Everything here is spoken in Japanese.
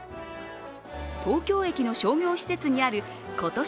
東京駅の商業施設にある今年